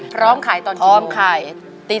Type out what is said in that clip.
พร้อมขายตอนจีบ